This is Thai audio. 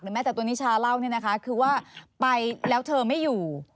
แม้แต่ตัวนิชาเล่าเนี่ยนะคะคือว่าไปแล้วเธอไม่อยู่